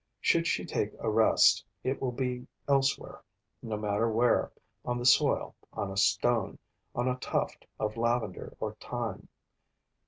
Should she take a rest, it will be elsewhere, no matter where, on the soil, on a stone, on a tuft of lavender or thyme.